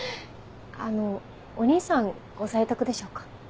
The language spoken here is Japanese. あのお兄さんご在宅でしょうか？